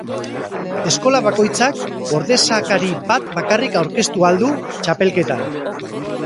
Eskola bakoitzak ordezakari bat bakarrik aurkeztu ahal du txapelketan.